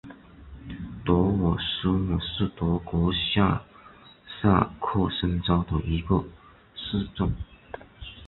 德尔苏姆是德国下萨克森州的一个市镇。